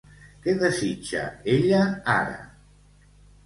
Què desitja ella ara?